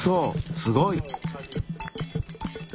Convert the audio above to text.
すごい！